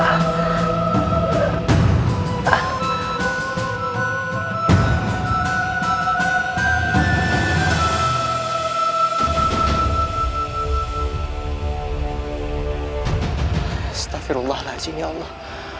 astagfirullahaladzim ya allah